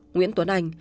nguyễn tuấn anh